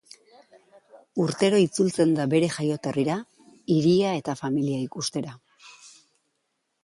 Urtero itzultzen da bere jaioterrira, hiria eta familia ikustera.